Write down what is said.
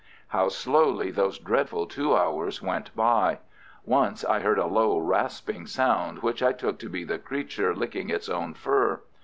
How slowly those dreadful two hours went by! Once I heard a low, rasping sound, which I took to be the creature licking its own fur.